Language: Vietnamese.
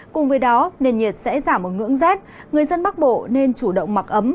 cùng với đó nền nhiệt sẽ giảm ở ngưỡng rét người dân bắc bộ nên chủ động mặc ấm